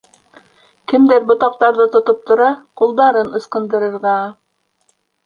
Кемдәр ботаҡтарҙы тотоп тора, ҡулдарын ысҡындырырға-а-а!